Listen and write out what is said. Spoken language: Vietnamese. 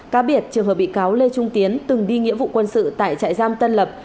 cá biệt trường hợp bị cáo lê trung tiến từng đi nghĩa vụ quân sự tại trại giam tân lập